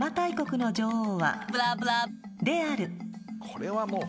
これはもう。